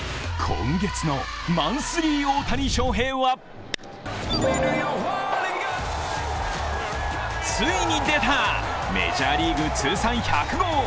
今月のマンスリー大谷翔平はついに出た、メジャーリーグ通算１００号。